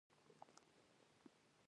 دوی د پاکې انرژۍ هڅه کوي.